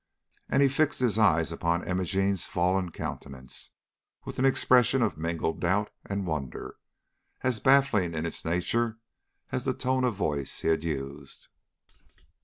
And he fixed his eyes upon Imogene's fallen countenance, with an expression of mingled doubt and wonder, as baffling in its nature as the tone of voice he had used.